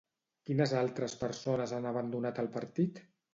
Quines altres persones han abandonat el partit?